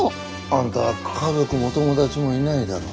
あんた家族も友達もいないだろ。